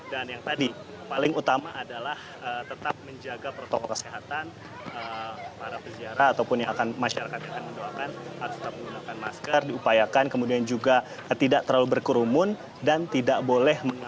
dan yang tadi paling utama adalah tetap menjaga protokol kesehatan